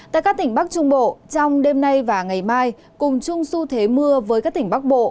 tại các tỉnh bắc trung bộ trong đêm nay và ngày mai cùng chung su thế mưa với các tỉnh bắc bộ